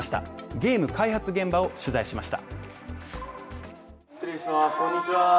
ゲーム開発現場を取材しました。